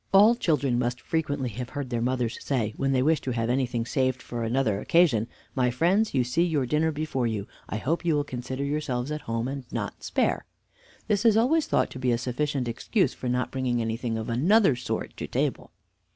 All children must frequently have heard their mothers say, when they wish to have anything saved for another occasion, "My friends, you see your dinner before you; I hope you will consider yourselves at home and not spare." This is always thought to be a sufficient excuse for not bringing anything of another sort to table.